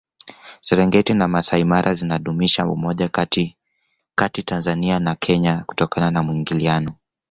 serengeti na masai mara zinadumisha umoja Kati tanzania na kenya kutokana na muingiliano